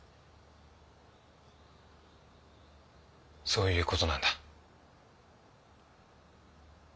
そういう事なんだ。